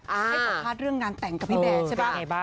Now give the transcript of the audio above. ให้กดภาพเรื่องงานแต่งกับพี่แบนใช่ป่ะ